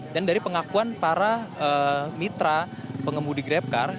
dan dari pengakuan para mitra pengemudi grabcar